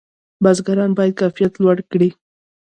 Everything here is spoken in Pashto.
بزګران باید کیفیت لوړ کړي.